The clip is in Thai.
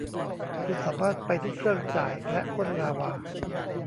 คุณสามารถไปที่เครื่องจ่ายและพ่นลาวา